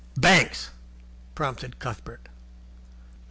"Banks," prompted Cuthbert.